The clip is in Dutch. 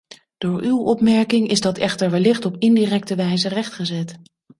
Door uw opmerking is dat echter wellicht op indirecte wijze rechtgezet.